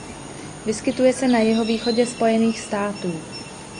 Vyskytuje se na jihovýchodě Spojených států.